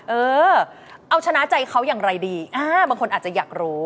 เออเอาชนะใจเขาอย่างไรดีบางคนอาจจะอยากรู้